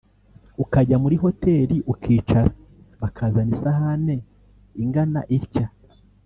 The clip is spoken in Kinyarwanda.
ukajya muri hoteli ukicara bakazana isahane ingana itya